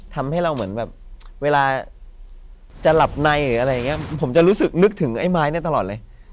ทำให้เราเหมือนแบบเวลาจะหลับในหรืออะไรอย่างนี้ผมจะรู้สึกนึกถึงไอ้ไม้เนี่ยตลอดเลย